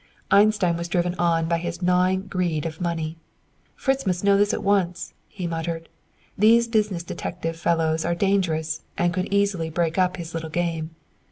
Einstein was driven on by his gnawing greed of money. "Fritz must know this at once," he muttered. These business detective fellows are dangerous, and could easily break up his little game.